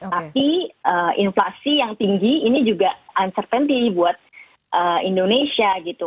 tapi inflasi yang tinggi ini juga uncertainty buat indonesia gitu